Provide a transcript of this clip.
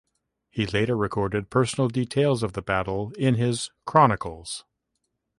He later recorded personal details of the battle in his "Chronicles".